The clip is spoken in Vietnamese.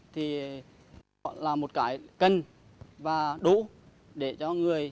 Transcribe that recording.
thì là một cái cần và đủ để cho người